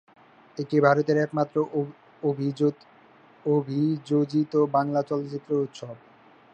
এটি ভারতের একমাত্র অভিযোজিত বাংলা চলচ্চিত্র উৎসব।